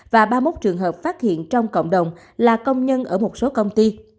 và ba mươi một trường hợp phát hiện trong cộng đồng là công nhân ở một số công ty